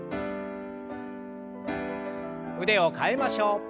腕を替えましょう。